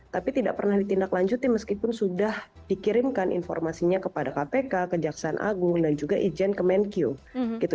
tapi tidak pernah ditindaklanjuti meskipun sudah dikirimkan informasinya kepada kpk kejaksaan agung dan juga ijen kemenkyu gitu